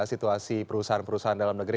situasi perusahaan perusahaan dalam negeri